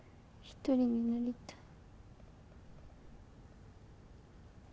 一人になりたいの。